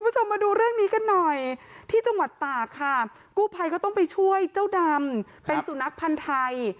คุณผู้ชมมาดูเรื่องนี้กันหน่อยที่จังหวัดตากค่ะกู้ภัยก็ต้องไปช่วยเจ้าดำเป็นสุนัขพันธ์ไทย